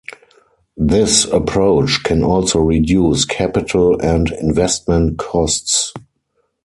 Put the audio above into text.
This approach can also reduce capital and investment costs.